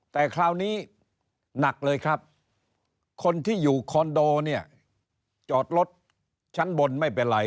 แต่คราวนี้หนักเลยครับคนที่อยู่คอนโดเนี่ยจอดรถชั้นบนไม่เป็นไร